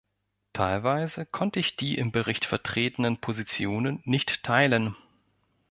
Teilweise konnte ich die im Bericht vertretenen Positionen nicht teilen.